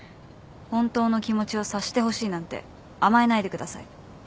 本当の気持ちを察してほしいなんて甘えないでください。